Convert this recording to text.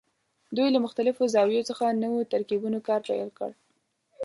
دوی له مختلفو زاویو څخه نوو ترکیبونو کار پیل کړ.